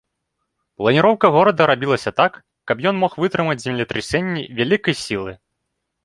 Планіроўка горада рабілася так, каб ён мог вытрымаць землетрасенні вялікай сілы.